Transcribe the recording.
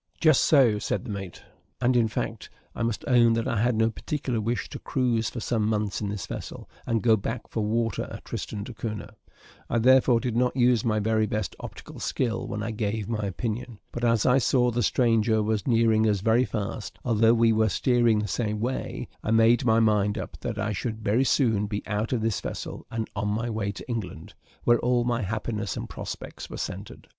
"Just so," said the mate. And in fact, I must own that I had no particular wish to cruise for some months in this vessel, and go back for water at Tristan d'Acunha I therefore did not use my very best optical skill when I gave my opinion; but as I saw the stranger was nearing us very fast, although we were steering the same way, I made my mind up that I should very soon be out of this vessel, and on my way to England, where all my happiness and prospects were centred.